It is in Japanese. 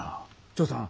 チョウさん